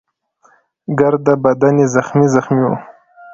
ګرده بدن يې زخمي زخمي وو.